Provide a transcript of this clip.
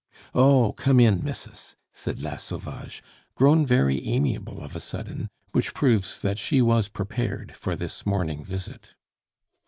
"Oh! come in, missus," said La Sauvage, grown very amiable of a sudden, which proves that she was prepared for this morning visit.